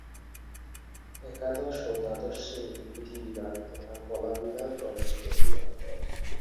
একাদশ ও দ্বাদশ শ্রেণির দুটি বিভাগ তথা কলা বিভাগ ও বিজ্ঞান বিভাগ।